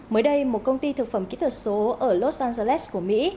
mới đây một công ty thực phẩm kỹ thuật số ở los angeles của mỹ